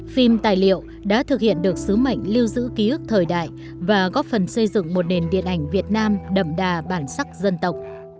phim tài liệu đã thực hiện được sứ mệnh lưu giữ ký ức thời đại và góp phần xây dựng một nền điện ảnh việt nam đậm đà bản sắc dân tộc